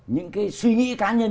những cái suy nghĩ cá nhân